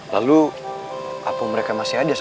mana buruan udah deh